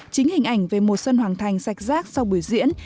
chính hình ảnh về một sân hoàng thành sạch sát sau buổi diễn